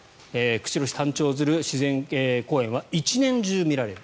釧路市丹頂鶴自然公園はいつでも見られる。